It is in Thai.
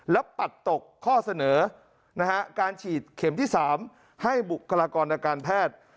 แล้วปัดตกข้อเสนอการฉีดเข็มที่๓ให้บุคลากรทางการแพทย์